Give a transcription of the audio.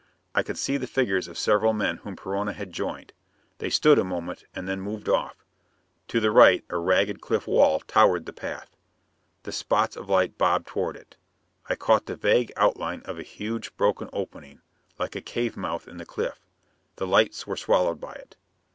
I could see the figures of several men whom Perona had joined. They stood a moment and then moved off. To the right a ragged cliff wall towered the path. The spots of light bobbed toward it. I caught the vague outline of a huge broken opening, like a cave mouth in the cliff. The lights were swallowed by it.